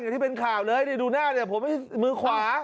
ที่เป็นข่าวเลยดูหน้าเนี่ยผมไม่ใช่มือขวา